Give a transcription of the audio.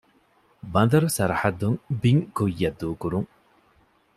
ބަނދަރު ސަރަޙައްދުން ބިން ކުއްޔަށް ދޫކުރުން